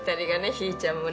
ひいちゃんもね